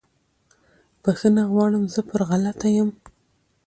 بخښنه غواړم زه پر غلطه یم